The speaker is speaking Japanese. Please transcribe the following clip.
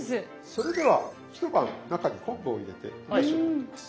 それでは一晩中に昆布を入れてだしをとってます